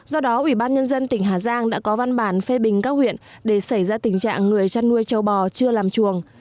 do đó ủy ban nhân dân tỉnh hà giang đã có văn bản phê bình các huyện để xảy ra tình trạng người chăn nuôi châu bò chưa làm chuồng